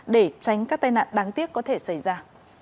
để tránh các tai nạn đáng tiếc có thể xảy ra